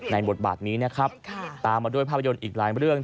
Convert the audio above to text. ในหมดบาร์ดนี้ตามมาด้วยภาพยนตร์อีกหลายเรื่อง